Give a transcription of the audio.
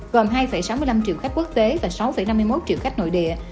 gồm hai sáu mươi năm triệu khách quốc tế và sáu năm mươi một triệu khách nội địa